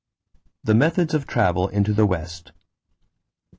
=The Methods of Travel into the West.